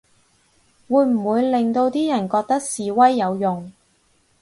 會唔會令到啲人覺得示威有用